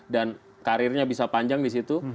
dan karirnya bisa panjang di situ